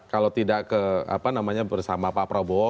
kalau tidak ke apa namanya bersama pak prabowo